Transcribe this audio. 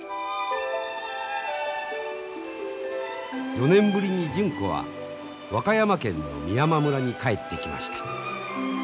４年ぶりに純子は和歌山県の美山村に帰ってきました。